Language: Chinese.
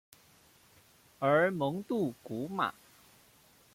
而蒙杜古马。